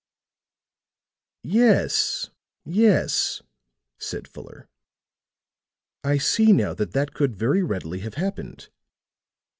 "Yes, yes," said Fuller. "I see now that that could very readily have happened.